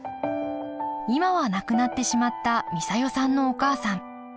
今は亡くなってしまった美佐代さんのお母さん。